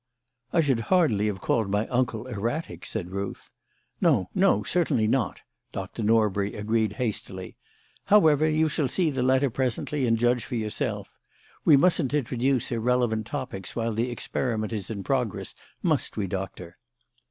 "I should hardly have called my uncle erratic," said Ruth. "No, no. Certainly not," Dr. Norbury agreed hastily. "However, you shall see the letter presently and judge for yourself. We mustn't introduce irrelevant topics while the experiment is in progress, must we, Doctor?"